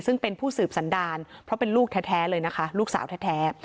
ซึ่งเป็นผู้สืบสันดารเพราะเป็นลูกแท้เลยนะคะลูกสาวแท้